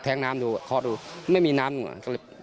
แท้งน้ำดูข้อดูไม่มีน้ำก็เล็บ